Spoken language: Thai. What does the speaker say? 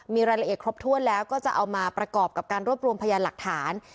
มีรายละเอียดครบถ้วนแล้วก็จะเอามาประกอบกับการรวบรวมพยานหลักฐาน